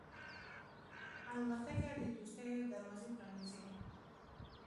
الوتکه د دوستیو دروازې پرانیزي.